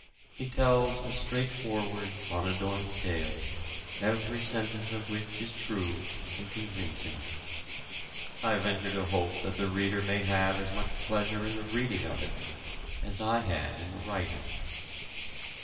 He tells a straightforward, unadorned tale, every sentence of which is true, and convincing. I venture to hope that the reader may have as much pleasure in the reading of it as I had in the writing.